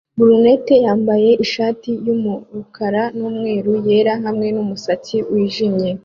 Brunette yambaye ishati yumukara numweru yera hamwe numusatsi wijimye